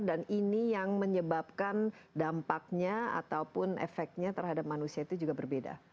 dan ini yang menyebabkan dampaknya ataupun efeknya terhadap manusia itu juga berbeda